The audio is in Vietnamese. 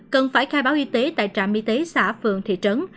cần phải khai báo y tế tại trạm y tế xã phường thị trấn